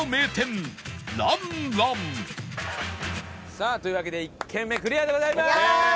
さあというわけで１軒目クリアでございます！